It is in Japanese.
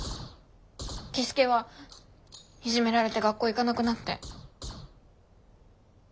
樹介はいじめられて学校行かなくなって。